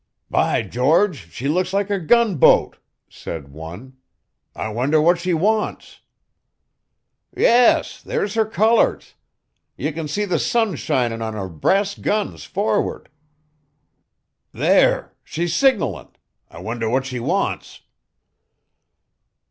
"By George, she looks like a gunboat," said one. "I wonder what she wants?" "Yes, there's her colors. You can see the sun shinin' on her brass guns forward." "There, she's signalin'. I wonder what she wants?"